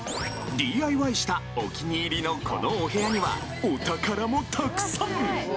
ＤＩＹしたお気に入りのこのお部屋にはお宝もたくさん！